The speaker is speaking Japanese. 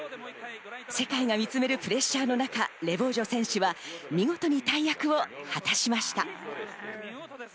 世界が見つめるプレッシャーの中、レボ−ジョ選手は見事に大役を果たしました。